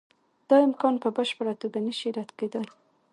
دا امکان په بشپړه توګه نشي رد کېدای.